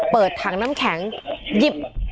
เปิดถังน้ำแข็งหยิบ